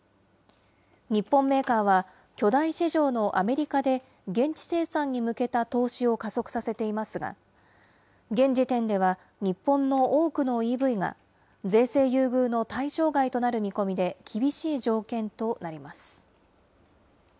日本メーカーは、巨大市場のアメリカで、現地生産に向けた投資を加速させていますが、現時点では日本の多くのＥＶが税制優遇の対象外となる見込みで、厳しい条件となります。